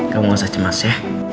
kamu gak usah cemas ya